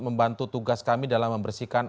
membantu tugas kami dalam membersihkan